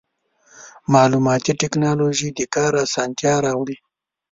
مالوماتي ټکنالوژي د کار اسانتیا راوړي.